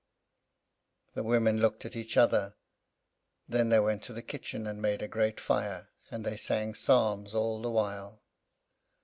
'" The women looked at each other; then they went to the kitchen, and made a great fire; and they sang psalms all the while.